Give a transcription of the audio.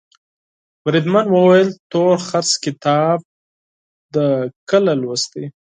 بریدمن وویل تورخرس کتاب دي کله لوستی.